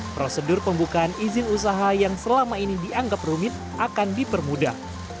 prosedur pembukaan izin usaha yang selama ini dianggap rumit akan dipermudah